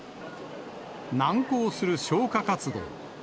難航する消火活動。